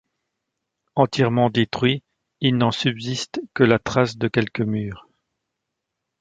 Entièrement détruit, il n'en subsiste que la trace de quelques murs.